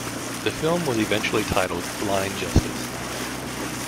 The film was eventually titled "Blind Justice".